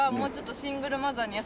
シングルマザー。